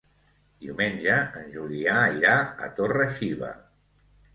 Diumenge en Julià irà a Torre-xiva.